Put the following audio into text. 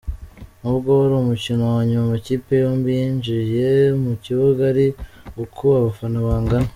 Nubwo wari umukino wanyuma, amakipe yombi yinjiye mu kibuga ari uku abafana bangana.